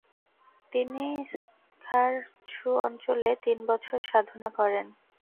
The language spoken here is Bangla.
তিনি ম্খার-ছু অঞ্চলে তিন বছর সাধনা করেন।